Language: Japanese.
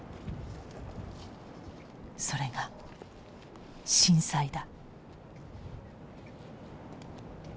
それが震災だ。